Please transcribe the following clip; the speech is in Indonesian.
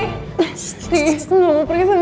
ri aku gak mau pergi sama dia ri